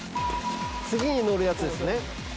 次に乗るやつですね。